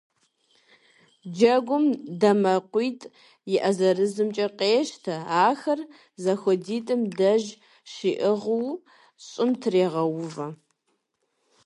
Джэгум дамэкъуитӀ и Ӏэ зырызымкӀэ къещтэ, ахэр и зэхуэдитӀым деж щиӀыгъыу щӀым трегъэувэ.